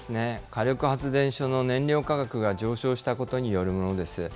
火力発電所の燃料価格が上昇したことによるものです。